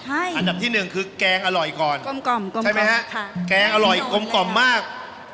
อันดับที่๑คือแกงอร่อยก่อนใช่ไหมครับแกงอร่อยกลมมาก